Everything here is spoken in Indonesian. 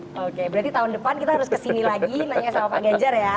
oke berarti tahun depan kita harus kesini lagi nanya sama pak ganjar ya